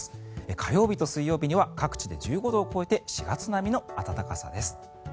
火曜日と水曜日には各地で１５度を超えて４月並みの暖かさです。